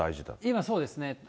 今、そうですね。